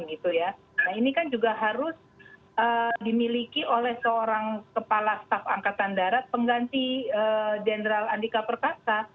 nah ini kan juga harus dimiliki oleh seorang kepala staf angkatan darat pengganti jenderal andika perkasa